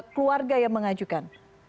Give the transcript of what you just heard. keluarga yang mengajukan